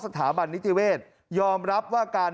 สถาบันนิติเวทยอมรับว่าการ